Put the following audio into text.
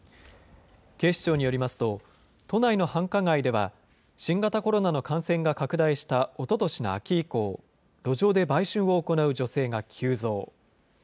警視庁によりますと、都内の繁華街では、新型コロナの感染が拡大したおととしの秋以降、路上で売春を行う女性が急増。